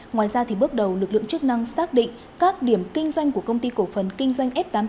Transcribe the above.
ngoài ra bước đầu lực lượng chức năng xác định các điểm kinh doanh của công ty cổ phần kinh doanh f tám mươi tám